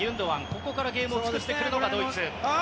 ここからゲームを作ってくるのがドイツ。